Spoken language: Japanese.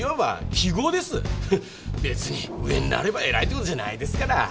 別に上になれば偉いってことじゃないですから。